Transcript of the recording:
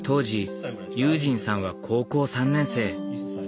時悠仁さんは高校３年生。